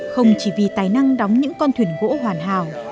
không chỉ vì tài năng đóng những con thuyền gỗ hoàn hảo